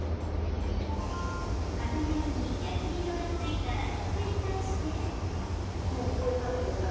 片面に焼き色がついたらひっくり返して。